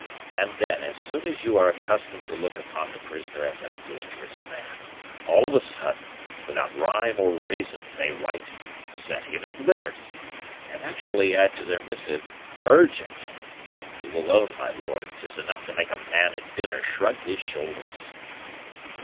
And then, as soon as you are accustomed to look upon the prisoner as a dangerous man, all of a sudden, without rhyme or reason they write 'Set him at liberty,' and actually add to their missive 'urgent.' You will own, my lord, 'tis enough to make a man at dinner shrug his shoulders!"